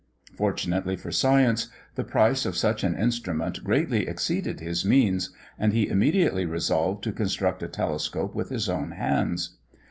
Fortunately for science, the price of such an instrument greatly exceeded his means, and he immediately resolved to construct a telescope with his own hands.